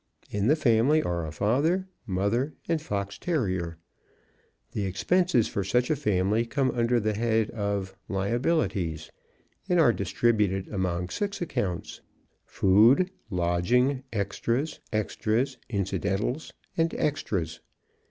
In the family are a father, mother and fox terrier. The expenses for such a family come under the head of Liabilities and are distributed among six accounts: Food, Lodging, Extras, Extras, Incidentals and Extras.